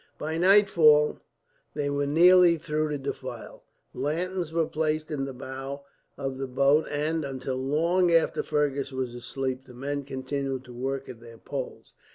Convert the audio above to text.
By nightfall they were nearly through the defile. Lanterns were placed in the bow of the boat and, until long after Fergus was asleep, the men continued to work at their poles.